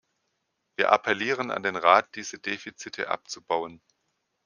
Wir appellieren an den Rat, diese Defizite abzubauen!